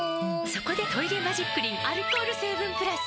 そこで「トイレマジックリン」アルコール成分プラス！